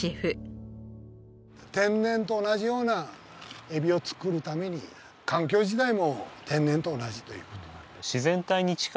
天然と同じようなエビを作るために環境自体も天然と同じという事。